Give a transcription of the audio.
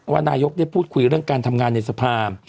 นายกได้พูดคุยเรื่องการทำงานในสภา